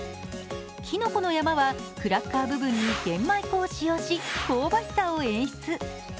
きのこの山はクラッカー部分に玄米粉を使用し香ばしさを演出。